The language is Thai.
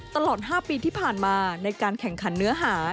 ตลอด๕ปีที่ผ่านมาในการแข่งขันเนื้อหา